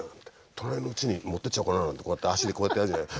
隣のうちに持ってっちゃおうかななんてこうやって足でこうやってやるじゃない。